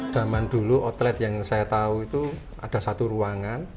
zaman dulu outlet yang saya tahu itu ada satu ruangan